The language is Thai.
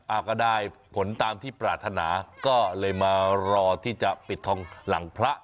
อ่าก็ได้ผลตามที่ปรารถนาก็เลยมารอที่จะปิดทองหลังพระ